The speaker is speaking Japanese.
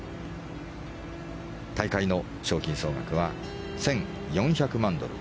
大会の賞金総額は１４００万ドル